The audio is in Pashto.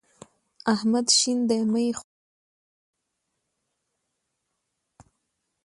احمد شين دی؛ مه يې ښوروه.